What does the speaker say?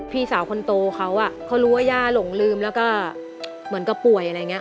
พี่สาวคนโตเขาเขารู้ว่าย่าหลงลืมแล้วก็เหมือนกับป่วยอะไรอย่างนี้